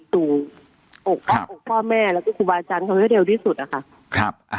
ดูครับพ่อแม่แล้วก็ครูบาจันทร์เขาให้เร็วที่สุดอะครับครับ